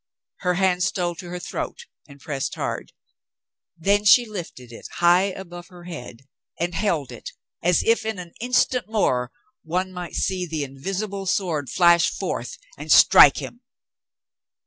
Her hand stole to her throat and pressed hard. Then she lifted it high above her head and held it, as if in an instant more one might see the invisible sword flash forth and strike him.